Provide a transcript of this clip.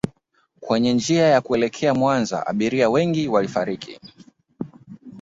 kwenye njia ya kuelekea Mwanza Abiria wengi walifariki